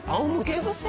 うつぶせ？